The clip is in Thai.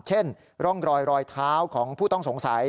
เช่นร่องรอยรอยเท้าของผู้ต้องสงสัย